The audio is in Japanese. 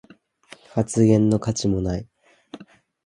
発言の価値もない